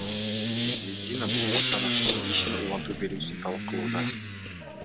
Звездина басмакананын ишин уланта берүүсүн талап кылууда.